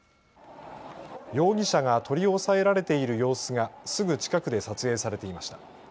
容疑者が取り押さえられている様子がすぐ近くで撮影されていました。